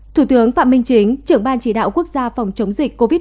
thủ tướng phạm minh chính trưởng ban chỉ đạo quốc gia phòng chống dịch covid một mươi chín